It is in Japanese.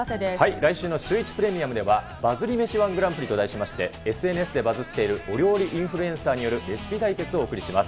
来週のシューイチプレミアムでは、バズり飯ー１グランプリと題しまして、ＳＮＳでバズっている、お料理インフルエンサーによるレシピ対決をお送りします。